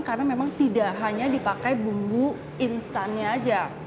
karena memang tidak hanya dipakai bumbu instannya saja